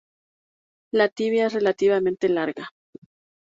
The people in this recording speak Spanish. La tibia es relativamente larga.